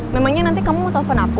memangnya nanti kamu mau telepon aku